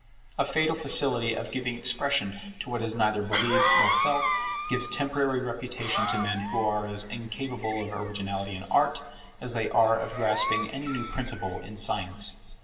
A fatal facility of giving expression to what is neither believed nor felt, gives temporary reputation to men who are as incapable of originality in Art as they are of grasping any new principle in science.